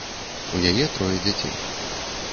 У яе трое дзяцей.